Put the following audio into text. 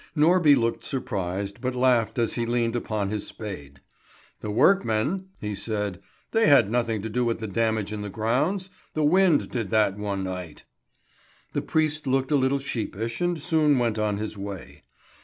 Norby looked surprised, but laughed as he leaned upon his spade. "The workmen?" he said. "They had nothing to do with the damage in the grounds. The wind did that one night." The priest looked a little sheepish, and soon went on his way.